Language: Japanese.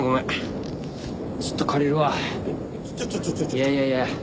いやいやいや。